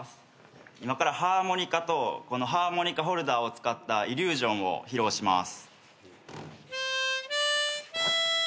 今からハーモニカとハーモニカホルダーを使ったイリュージョンを披露します。